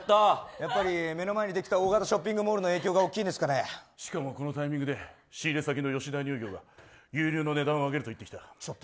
目の前にできた大型ショッピングモールの影響がしかも、このタイミングで仕入れ先の吉田乳業が牛乳の値段を上げると言ってきた。